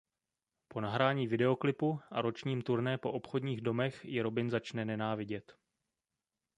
Po nahrání videoklipu a ročním turné po obchodních domech je Robin začne nenávidět.